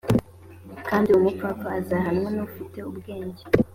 kandi umupfapfa azahakwa n’ufite ubwenge